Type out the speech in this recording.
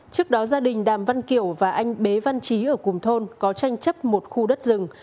trước đó gia đình đàm văn kiểu và anh bế văn trí ở cùng thôn có tranh chấp một khu đất rừng